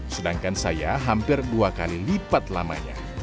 sedangkan saya hampir dua kali lipat lamanya